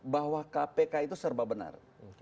bahwa kpk itu serba benar